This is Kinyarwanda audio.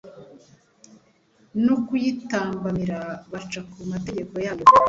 no kuyitambamira baca ku mategeko yayo